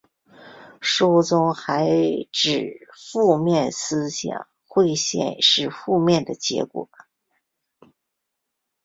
书中还指负面思想会显示负面的结果。